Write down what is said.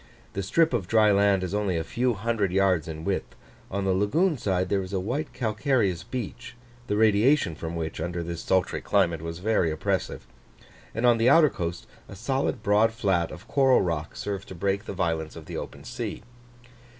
The strip of dry land is only a few hundred yards in width; on the lagoon side there is a white calcareous beach, the radiation from which under this sultry climate was very oppressive; and on the outer coast, a solid broad flat of coral rock served to break the violence of the open sea.